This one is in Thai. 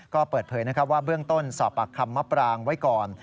ก็เปิดเผยว่าเบื้องต้นสอบปากคำมะปรางไว้ก่อน